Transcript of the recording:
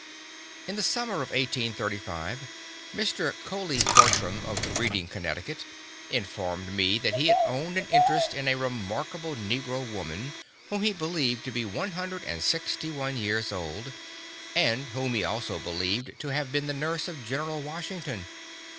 In the summer of 1835, Mr. Coley Bartram, of Reading, Connecticut, informed me that he had owned an interest in a remarkable negro woman whom he believed to be one hundred and sixty one years old, and whom he also believed to have been the nurse of General Washington.